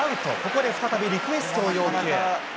ここで再びリクエストを要求。